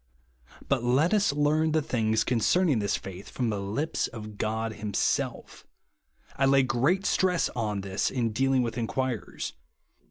But let us learn the things concerning this faith, from the lips of God himself, I lay great stress on this in dealing witli inquirers.